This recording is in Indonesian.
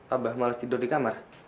abah males tidur di kamar